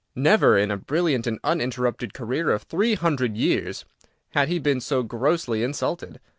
Never, in a brilliant and uninterrupted career of three hundred years, had he been so grossly insulted.